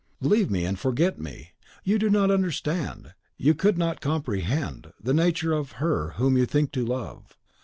"Leave me, and forget me. You do not understand, you could not comprehend, the nature of her whom you think to love.